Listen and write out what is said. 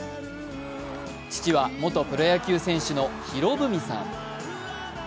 父は元プロ野球選手の博文さん。